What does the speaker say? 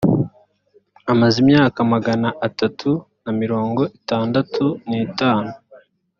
amaze imyaka magana atatu na mirongo itandatu n’itanu